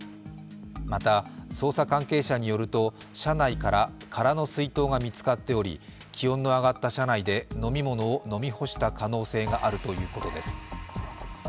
また捜査関係者によると車内から空の水筒が見つかっており気温の上がった車内で、飲み物を飲み干した可能性があるということです。